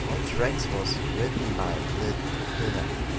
All tracks was written by Lit Killah.